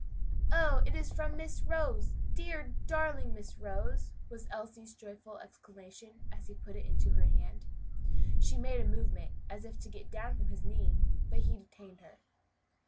"Oh! it is from Miss Rose! dear, darling Miss Rose!" was Elsie's joyful exclamation, as he put it in her hand. She made a movement as if to get down from his knee, but he detained her.